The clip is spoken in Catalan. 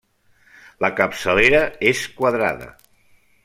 La capçalera és quadrada.